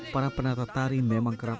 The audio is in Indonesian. para penata tari memang kerap